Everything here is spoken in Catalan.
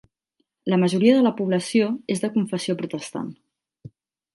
La majoria de la població és de confessió protestant.